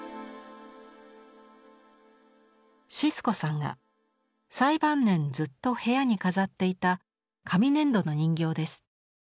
シスコさんが最晩年ずっと部屋に飾っていた紙粘土の人形です。